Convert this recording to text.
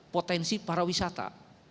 potensi para wisata